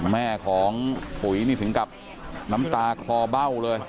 แม่ของปุ๋ยนี่ถึงกับน้ำตาคลอเบ้าเลย